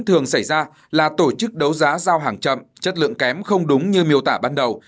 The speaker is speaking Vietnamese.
thường xảy ra là tổ chức đấu giá giao hàng chậm chất lượng kém không đúng như miêu tả ban đầu